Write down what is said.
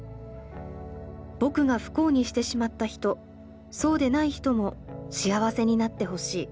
僕が不幸にしてしまった人そうでない人も幸せになってほしい。